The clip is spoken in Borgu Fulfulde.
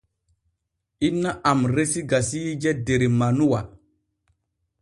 Inna am resi gasiije der manuwa.